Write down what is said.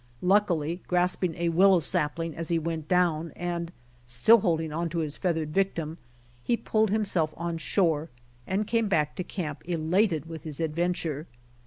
Luckily grasping a willow sapling as he went down and still holding on to his feathered victim, he pulled himiself on shore and came back to camp elated with his adventure.